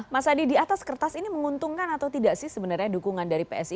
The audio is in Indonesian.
mas adi di atas kertas ini menguntungkan atau tidak sih sebenarnya dukungan dari psi